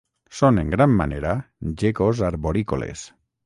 Són, en gran manera, geckos arborícoles.